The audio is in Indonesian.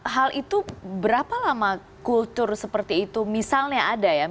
hal itu berapa lama kultur seperti itu misalnya ada ya